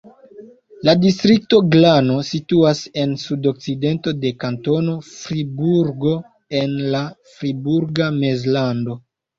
La distrikto Glano situas en sudokcidento de Kantono Friburgo en la Friburga Mezlando.